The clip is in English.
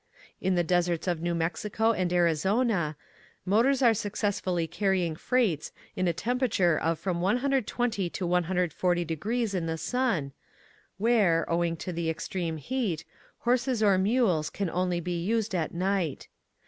In the deserts of New Mexico and Arizona motors are successfully carry ing freights in a temperature of from 120° to 140° in the sun, where, owing to the extreme heat, horses or mules can only be jsed at night.